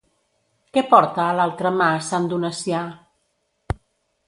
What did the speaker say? Què porta a l'altra mà Sant Donacià?